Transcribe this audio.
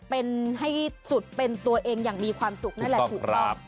เป็นให้สุดเป็นตัวเองอย่างมีความสุขนั่นแหละถูกต้อง